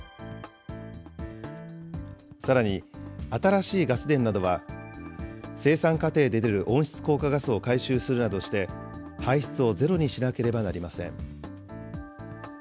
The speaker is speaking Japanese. さらに、新しいガス田などは、生産過程で出る温室効果ガスを回収するなどして、排出をゼロにしなければなりません。